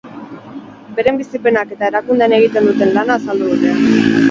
Beren bizipenak eta erakundean egiten duten lana azaldu dute.